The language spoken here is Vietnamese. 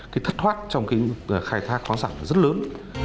cái thất thoát trong cái khai thác khoáng sản là rất lớn